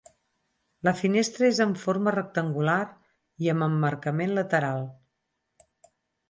La finestra és en forma rectangular i amb emmarcament lateral.